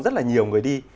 rất là nhiều người đi